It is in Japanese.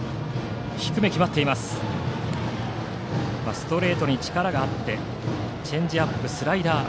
ストレートに力があってチェンジアップ、スライダー。